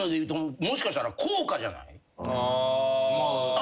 あ。